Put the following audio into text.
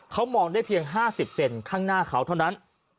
เขามองได้เพียง๕๐เซนข้างหน้าเขาเท่านั้น